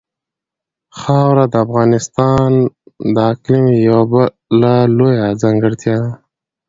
خاوره د افغانستان د اقلیم یوه بله لویه ځانګړتیا ده.